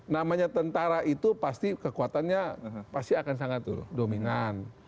namanya tentara itu pasti kekuatannya pasti akan sangat dominan